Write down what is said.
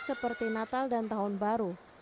seperti natal dan tahun baru